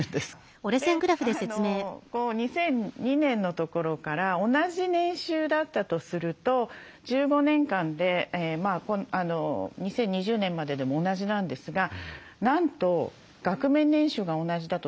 で２００２年のところから同じ年収だったとすると１５年間で２０２０年まででも同じなんですがなんと額面年収が同じだと